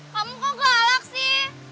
kamu kok galak sih